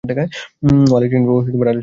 ওহ, আলেকজান্দ্রিয়ার সিরিল!